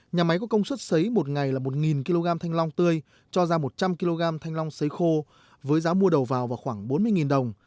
nhà máy có công suất xấy một ngày là một kg thanh long tươi cho ra một trăm linh kg thanh long xấy khô với giá mua đầu vào và khoảng bốn mươi đồng